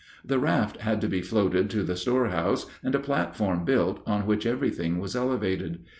The raft had to be floated to the storehouse and a platform built, on which everything was elevated.